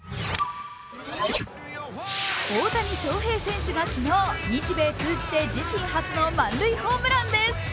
大谷翔平選手が昨日、日米通じて自身初の満塁ホームランです。